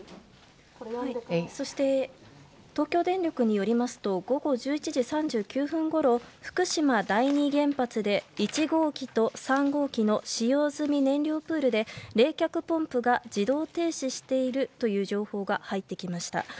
そして、東京電力によりますと午後１１時３９分ごろ福島第二原発で１号機と３号機の使用済み燃料プールで冷却ポンプが自動停止しているという情報が入ってきました。